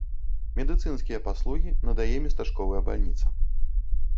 Медыцынскія паслугі надае местачковая бальніца.